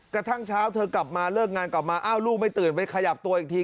กระทั่งเช้าเธอกลับมาเลิกงานกลับมาอ้าวลูกไม่ตื่นไปขยับตัวอีกที